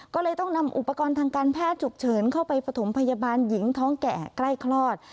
ก็เลยต้องนำอุปกรณ์ทางการแพทย์ฉุกเฉินเข้าไปปฐมพยาบาลหญิงท้องแก่ใกล้คลอด